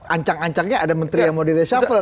ancak ancaknya ada menteri yang mau di reshuffle